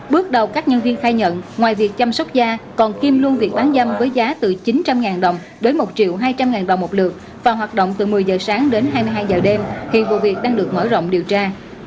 bước đầu các nhân viên khai nhận ngoài việc chăm sóc da còn kim luôn việc bán dâm với giá từ chín trăm linh đồng đến một hai trăm linh đồng một lượt và hoạt động từ một mươi giờ sáng đến hai mươi hai h đêm hiện vụ việc đang được mở rộng điều tra